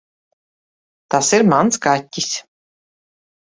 Tas ir mans kaķis.